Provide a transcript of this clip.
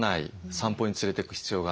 散歩に連れていく必要がない。